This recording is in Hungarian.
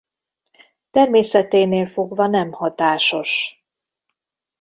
Természeténél fogva nem hatásos.